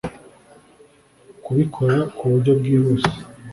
Kubikora ku buryo bwihuse